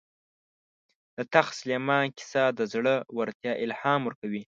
د تخت سلیمان کیسه د زړه ورتیا الهام ورکوي.